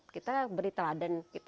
kita beritah dan kita